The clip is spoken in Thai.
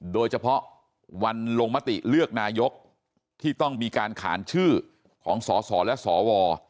โดยเฉพาะวันลงมติเลือกนายกที่ต้องมีการขานชื่อของสสและสว